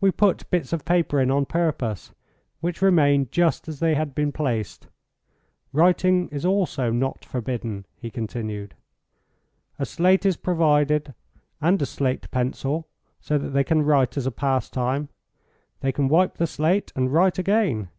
"We put bits of paper in on purpose, which remained just as they had been placed. Writing is also not forbidden," he continued. "A slate is provided, and a slate pencil, so that they can write as a pastime. They can wipe the slate and write again.